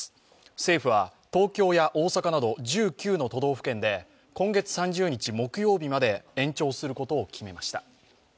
政府は東京や大阪など１９の都道府県で今月３０日木曜日まで延長することを決めました。